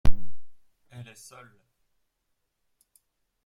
Elle est seule.